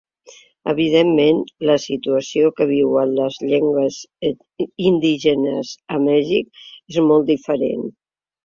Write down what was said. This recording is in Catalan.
Evidentment, la situació que viuen les llengües indígenes a Mèxic és molt diferent.